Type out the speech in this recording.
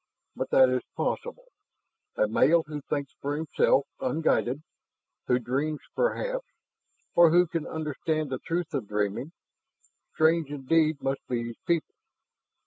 But that is possible. A male who thinks for himself ... unguided, who dreams perhaps! Or who can understand the truth of dreaming! Strange indeed must be his people.